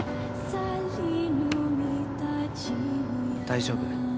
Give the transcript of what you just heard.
大丈夫。